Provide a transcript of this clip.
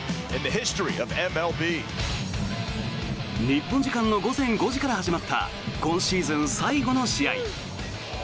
日本時間の午前５時から始まった今シーズン最後の試合。